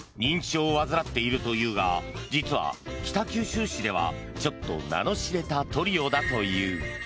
認知症を患っているというが実は北九州市ではちょっと名の知れたトリオだという。